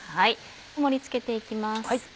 盛り付けていきます。